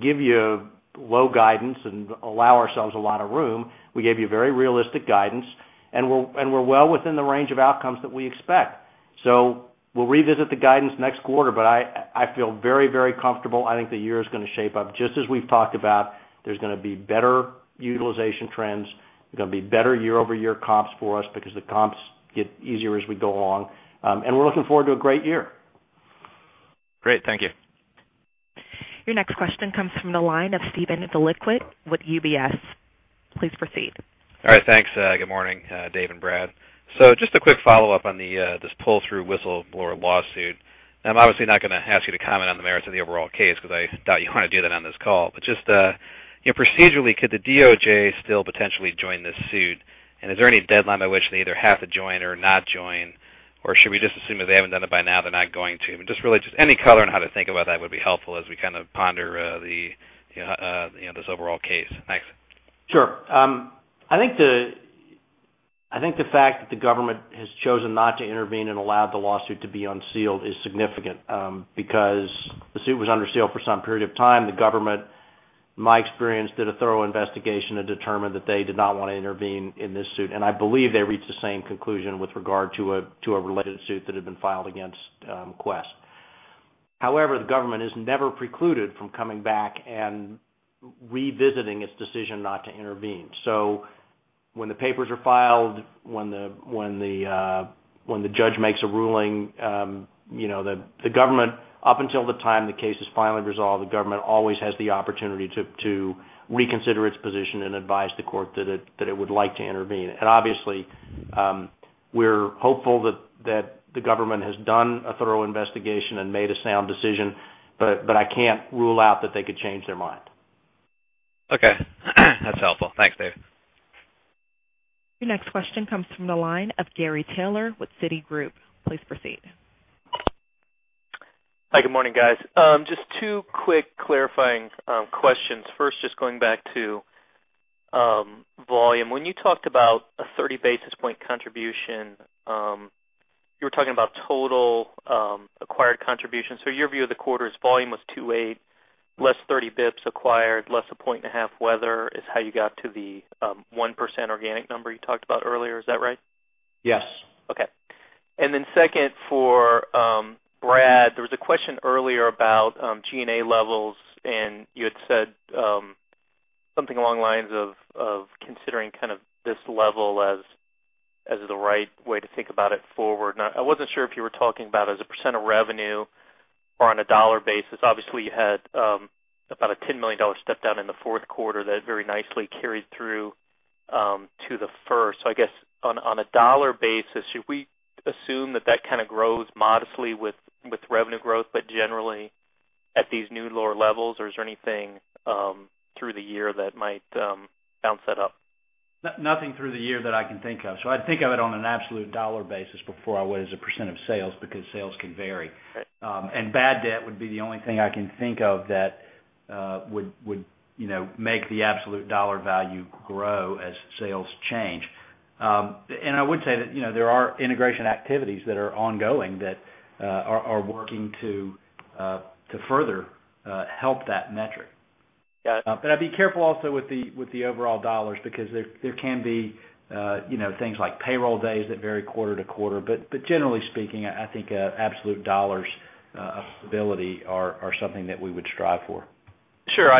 give you low guidance and allow ourselves a lot of room. We gave you very realistic guidance, and we are well within the range of outcomes that we expect. We will revisit the guidance next quarter, but I feel very, very comfortable. I think the year is going to shape up. Just as we have talked about, there is going to be better utilization trends is going to be better year-over-year comps for us because the comps get easier as we go along. We are looking forward to a great year. Great. Thank you. Your next question comes from the line of Steven Lueck with UBS. Please proceed. All right. Thanks. Good morning, Dave and Brad. Just a quick follow-up on this pull-through whistleblower lawsuit. I'm obviously not going to ask you to comment on the merits of the overall case because I doubt you want to do that on this call. Just procedurally, could the DOJ still potentially join this suit? Is there any deadline by which they either have to join or not join, or should we just assume if they haven't done it by now, they're not going to? Just really any color on how to think about that would be helpful as we kind of ponder this overall case. Thanks. Sure. I think the fact that the government has chosen not to intervene and allowed the lawsuit to be unsealed is significant because the suit was under seal for some period of time. The government, in my experience, did a thorough investigation and determined that they did not want to intervene in this suit. I believe they reached the same conclusion with regard to a related suit that had been filed against Quest. However, the government is never precluded from coming back and revisiting its decision not to intervene. When the papers are filed, when the judge makes a ruling, the government, up until the time the case is finally resolved, always has the opportunity to reconsider its position and advise the court that it would like to intervene. Obviously, we're hopeful that the government has done a thorough investigation and made a sound decision, but I can't rule out that they could change their mind. Okay. That's helpful. Thanks, Dave. Your next question comes from the line of Gary Taylor with Citigroup. Please proceed. Hi. Good morning, guys. Just two quick clarifying questions. First, just going back to volume. When you talked about a 30 basis point contribution, you were talking about total acquired contributions. So your view of the quarter's volume was 2.8, less 30 basis points acquired, less a point and a half weather is how you got to the 1% organic number you talked about earlier. Is that right? Yes. Okay. And then second, for Brad, there was a question earlier about G&A levels, and you had said something along the lines of considering kind of this level as the right way to think about it forward. I was not sure if you were talking about as a percent of revenue or on a dollar basis. Obviously, you had about a $10 million step down in the fourth quarter that very nicely carried through to the first. I guess on a dollar basis, should we assume that that kind of grows modestly with revenue growth, but generally at these new lower levels, or is there anything through the year that might bounce that up? Nothing through the year that I can think of. I'd think of it on an absolute dollar basis before I went as a percent of sales because sales can vary. Bad debt would be the only thing I can think of that would make the absolute dollar value grow as sales change. I would say that there are integration activities that are ongoing that are working to further help that metric. I'd be careful also with the overall dollars because there can be things like payroll days that vary quarter to quarter. Generally speaking, I think absolute dollars of stability are something that we would strive for. Sure.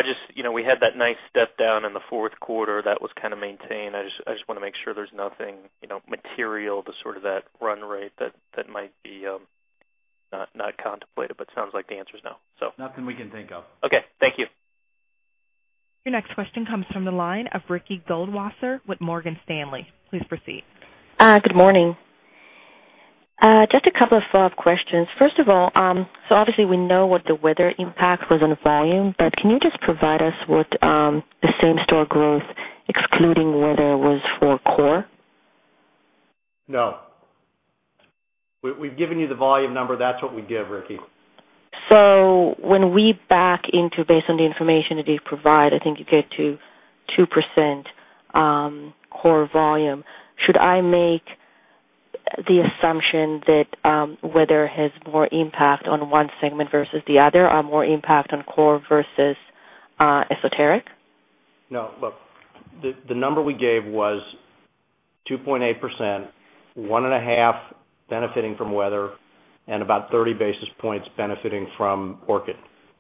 We had that nice step down in the fourth quarter that was kind of maintained. I just want to make sure there's nothing material to sort of that run rate that might be not contemplated, but it sounds like the answer is no. Nothing we can think of. Okay. Thank you. Your next question comes from the line of Ricky Goldwasser with Morgan Stanley. Please proceed. Good morning. Just a couple of follow-up questions. First of all, so obviously, we know what the weather impact was on volume, but can you just provide us what the same store growth, excluding weather, was for core? No. We've given you the volume number. That's what we give, Ricky. When we back into based on the information that you provide, I think you get to 2% core volume. Should I make the assumption that weather has more impact on one segment versus the other or more impact on core versus esoteric? No. Look, the number we gave was 2.8%, 1.5% benefiting from weather, and about 30 basis points benefiting from Orchid.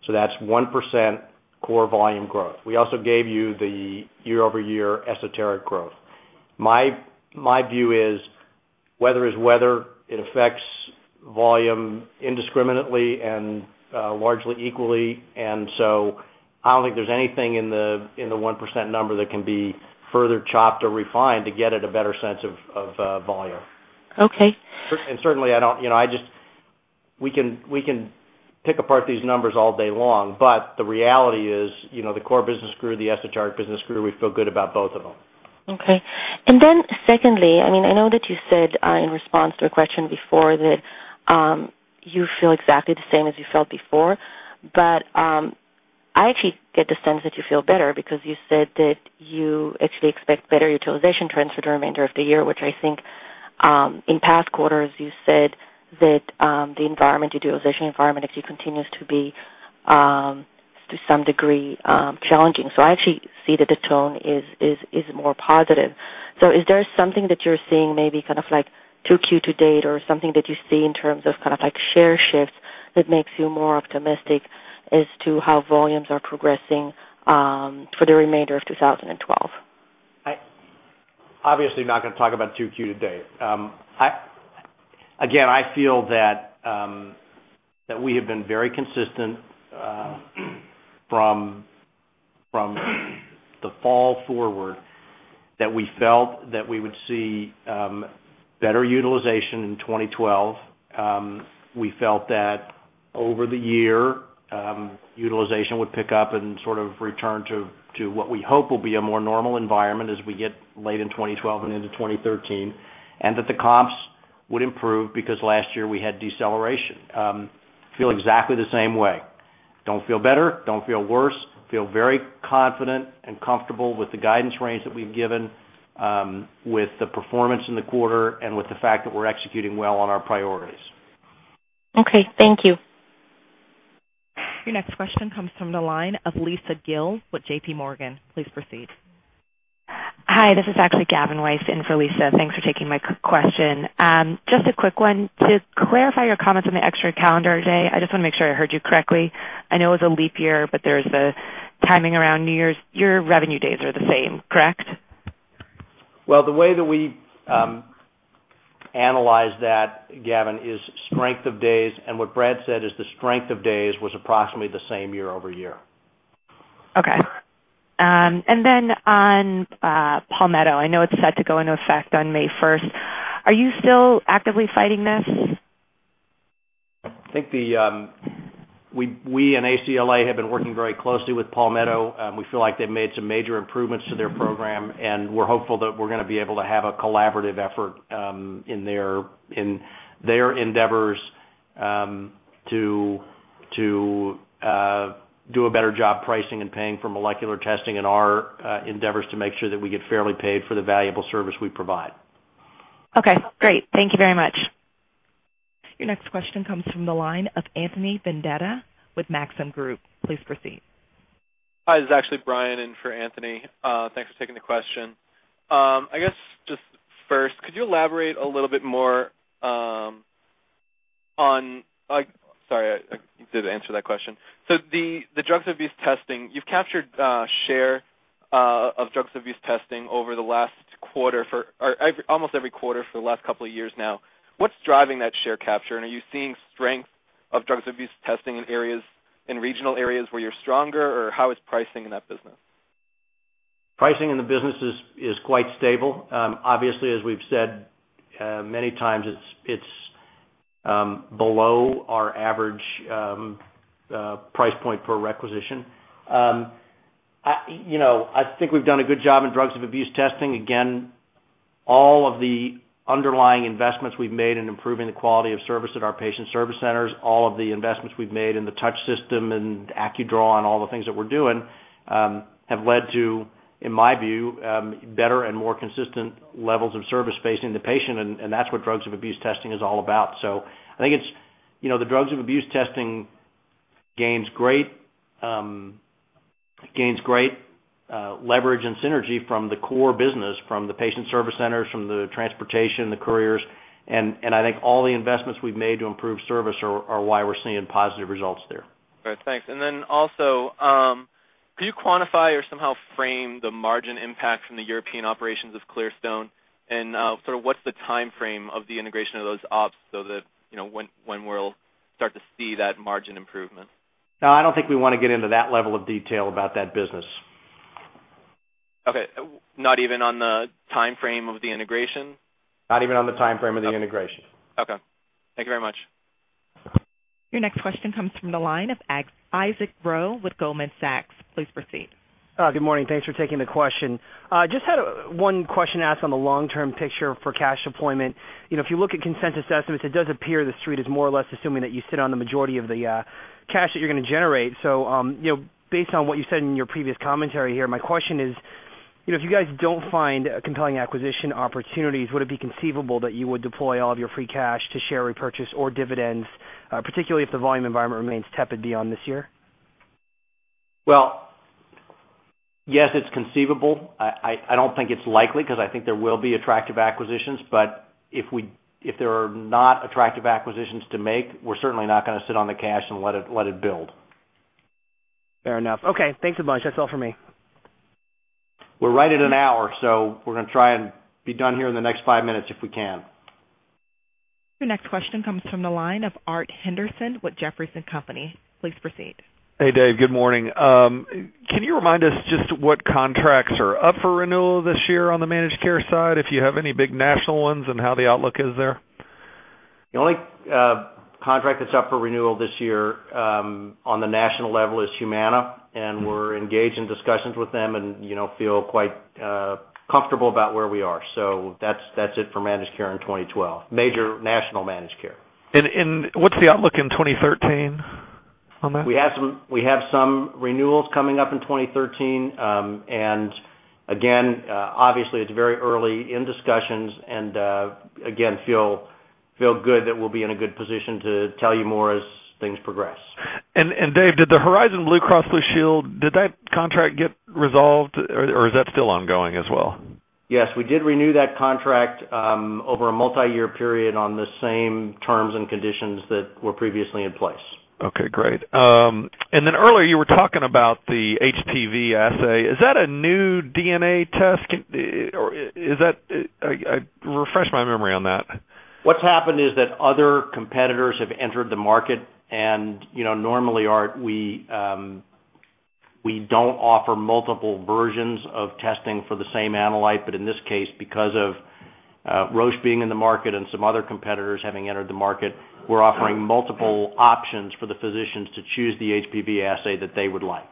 So that's 1% core volume growth. We also gave you the year-over-year esoteric growth. My view is weather is weather. It affects volume indiscriminately and largely equally. I don't think there's anything in the 1% number that can be further chopped or refined to get at a better sense of volume. Certainly, I don't think we can pick apart these numbers all day long, but the reality is the core business group, the esoteric business group, we feel good about both of them. Okay. And then secondly, I mean, I know that you said in response to a question before that you feel exactly the same as you felt before, but I actually get the sense that you feel better because you said that you actually expect better utilization trends for the remainder of the year, which I think in past quarters you said that the environment, utilization environment, actually continues to be to some degree challenging. I actually see that the tone is more positive. Is there something that you're seeing maybe kind of like to date or something that you see in terms of kind of like share shifts that makes you more optimistic as to how volumes are progressing for the remainder of 2012? Obviously, I'm not going to talk about 2Q to date. Again, I feel that we have been very consistent from the fall forward that we felt that we would see better utilization in 2012. We felt that over the year, utilization would pick up and sort of return to what we hope will be a more normal environment as we get late in 2012 and into 2013, and that the comps would improve because last year we had deceleration. I feel exactly the same way. Don't feel better. Don't feel worse. Feel very confident and comfortable with the guidance range that we've given, with the performance in the quarter, and with the fact that we're executing well on our priorities. Okay. Thank you. Your next question comes from the line of Lisa Gill with JPMorgan. Please proceed. Hi. This is actually Gavin Weiss in for Lisa. Thanks for taking my question. Just a quick one. To clarify your comments on the extra calendar day, I just want to make sure I heard you correctly. I know it was a leap year, but there's a timing around New Year's. Your revenue days are the same, correct? The way that we analyze that, Gavin, is strength of days. What Brad said is the strength of days was approximately the same year-over-year. Okay. And then on Palmetto, I know it's set to go into effect on May 1. Are you still actively fighting this? I think we and ACLA have been working very closely with Palmetto. We feel like they've made some major improvements to their program, and we're hopeful that we're going to be able to have a collaborative effort in their endeavors to do a better job pricing and paying for molecular testing in our endeavors to make sure that we get fairly paid for the valuable service we provide. Okay. Great. Thank you very much. Your next question comes from the line of Anthony Vendetti with Maxim Group. Please proceed. Hi. This is actually Brian in for Anthony. Thanks for taking the question. I guess just first, could you elaborate a little bit more on, sorry, I didn't answer that question. The drugs-abuse testing, you've captured share of drugs-abuse testing over the last quarter for almost every quarter for the last couple of years now. What's driving that share capture? Are you seeing strength of drugs-abuse testing in regional areas where you're stronger, or how is pricing in that business? Pricing in the business is quite stable. Obviously, as we've said many times, it's below our average price point per requisition. I think we've done a good job in drugs-abuse testing. Again, all of the underlying investments we've made in improving the quality of service at our patient service centers, all of the investments we've made in the Touch system and AccuDraw, all the things that we're doing, have led to, in my view, better and more consistent levels of service facing the patient. That's what drugs-abuse testing is all about. I think the drugs-abuse testing gains great leverage and synergy from the core business, from the patient service centers, from the transportation, the couriers. I think all the investments we've made to improve service are why we're seeing positive results there. All right. Thanks. Also, could you quantify or somehow frame the margin impact from the European operations of Clearstone? And sort of what's the timeframe of the integration of those ops so that when we'll start to see that margin improvement? No, I don't think we want to get into that level of detail about that business. Okay. Not even on the timeframe of the integration? Not even on the timeframe of the integration. Okay. Thank you very much. Your next question comes from the line of Isaac Ro with Goldman Sachs. Please proceed. Good morning. Thanks for taking the question. Just had one question to ask on the long-term picture for cash deployment. If you look at consensus estimates, it does appear the street is more or less assuming that you sit on the majority of the cash that you're going to generate. Based on what you said in your previous commentary here, my question is, if you guys don't find compelling acquisition opportunities, would it be conceivable that you would deploy all of your free cash to share repurchase or dividends, particularly if the volume environment remains tepid beyond this year? Yes, it's conceivable. I don't think it's likely because I think there will be attractive acquisitions. If there are not attractive acquisitions to make, we're certainly not going to sit on the cash and let it build. Fair enough. Okay. Thanks a bunch. That's all for me. We're right at an hour, so we're going to try and be done here in the next five minutes if we can. Your next question comes from the line of Art Henderson with Jefferies. Please proceed. Hey, Dave. Good morning. Can you remind us just what contracts are up for renewal this year on the managed care side, if you have any big national ones, and how the outlook is there? The only contract that's up for renewal this year on the national level is Humana. We're engaged in discussions with them and feel quite comfortable about where we are. That's it for managed care in 2012, major national managed care. What's the outlook in 2013 on that? We have some renewals coming up in 2013. Again, obviously, it's very early in discussions. Again, feel good that we'll be in a good position to tell you more as things progress. Dave, did the Horizon Blue Cross Blue Shield, did that contract get resolved, or is that still ongoing as well? Yes. We did renew that contract over a multi-year period on the same terms and conditions that were previously in place. Okay. Great. Earlier, you were talking about the HIV assay. Is that a new DNA test? Refresh my memory on that. What's happened is that other competitors have entered the market. Normally, we don't offer multiple versions of testing for the same analytes. In this case, because of Roche being in the market and some other competitors having entered the market, we're offering multiple options for the physicians to choose the HPV assay that they would like.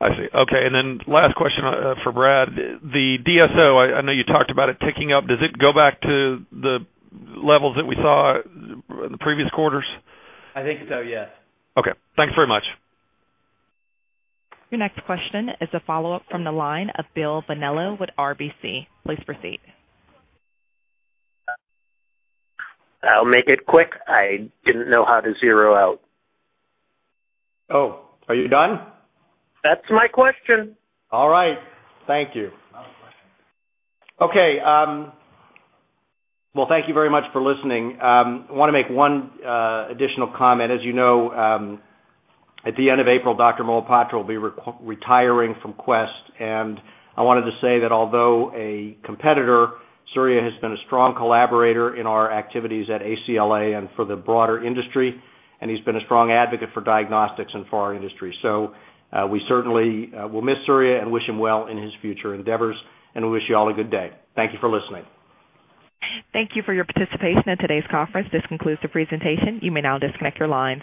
I see. Okay. And then last question for Brad. The DSO, I know you talked about it ticking up. Does it go back to the levels that we saw in the previous quarters? I think so, yes. Okay. Thanks very much. Your next question is a follow-up from the line of William Bonello with RBC. Please proceed. I'll make it quick. I didn't know how to zero out. Oh. Are you done? That's my question. All right. Thank you. Okay. Thank you very much for listening. I want to make one additional comment. As you know, at the end of April, Dr. Mohapatra will be retiring from Quest. I wanted to say that although a competitor, Surya has been a strong collaborator in our activities at ACLA and for the broader industry, and he has been a strong advocate for diagnostics and for our industry. We certainly will miss Surya and wish him well in his future endeavors. We wish you all a good day. Thank you for listening. Thank you for your participation in today's conference. This concludes the presentation. You may now disconnect your lines.